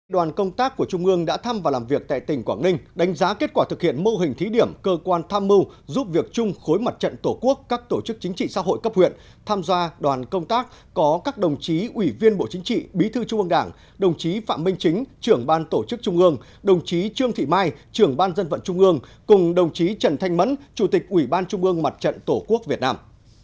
đoàn công tác của trung ương đã thăm và làm việc tại tỉnh quảng ninh đánh giá kết quả thực hiện mô hình thí điểm cơ quan tham mưu giúp việc chung khối mặt trận tổ quốc các tổ chức chính trị xã hội cấp huyện tham gia đoàn công tác có các đồng chí ủy viên bộ chính trị bí thư trung ương đảng đồng chí phạm minh chính trưởng ban tổ chức trung ương đồng chí trương thị mai trưởng ban dân vận trung ương cùng đồng chí trần thanh mẫn chủ tịch ủy ban trung ương mặt trận tổ quốc việt nam